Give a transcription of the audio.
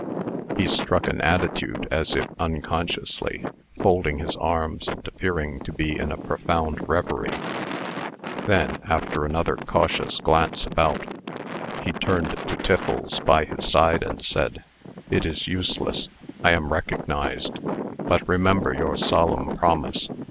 He struck an attitude, as if unconsciously, folding his arms, and appearing to be in a profound revery. Then, after another cautious glance about, he turned to Tiffles, by his side, and said: "It is useless. I am recognized. But remember your solemn promise.